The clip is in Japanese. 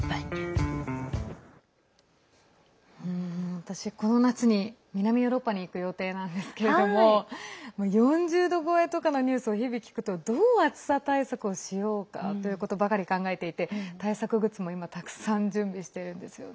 私この夏に南ヨーロッパに行く予定なんですけれども４０度超えとかのニュースを日々聞くとどう暑さ対策しようかということばかり考えていて対策グッズも今たくさん準備してるんですよね。